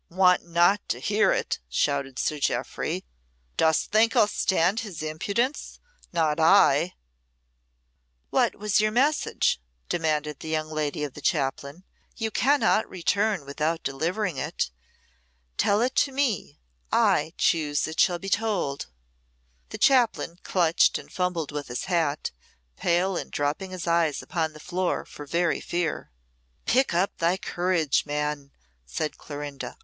"Want not to hear it!" shouted Sir Jeoffry. "Dost think I'll stand his impudence? Not I!" "What was your message?" demanded the young lady of the chaplain. "You cannot return without delivering it. Tell it to me. I choose it shall be told." The chaplain clutched and fumbled with his hat, pale, and dropping his eyes upon the floor, for very fear. "Pluck up thy courage, man," said Clorinda.